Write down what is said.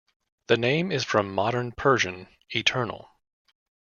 The name is from Modern Persian "eternal".